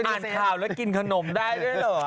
อ่านข่าวแล้วกินขนมได้ด้วยเหรอ